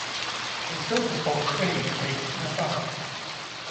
They still perform today, based in Havana.